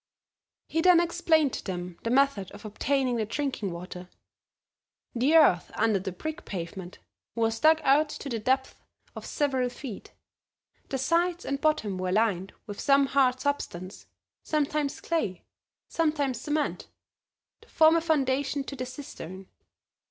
He then explained to them the method of obtaining the drinking water. The earth under the brick pavement was dug out to the depth of several feet; the sides and bottom were lined with some hard substance, sometimes clay, sometimes cement, to form a foundation to the cistern.